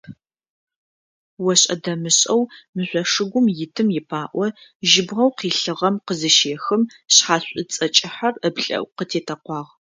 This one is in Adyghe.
Ошӏэ-дэмышӏэу мыжъо шыгум итым ипаӏо жьыбгъэу къилъыгъэм къызыщехым, шъхьац шӏуцӏэ кӏыхьэр ыплӏэӏу къытетэкъуагъ.